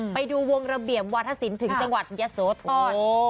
ไปดูวงระเบียบวาธศิลป์ถึงจังหวัดยะโสธร